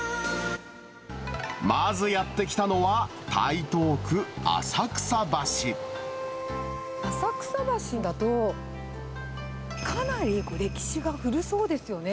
まずやって来たのは、浅草橋だと、かなり歴史が古そうですよね。